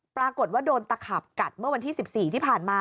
ปรากฏว่าโดนตะขาบกัดเมื่อวันที่๑๔ที่ผ่านมา